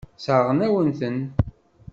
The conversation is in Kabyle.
Sseṛɣen-awen-ten.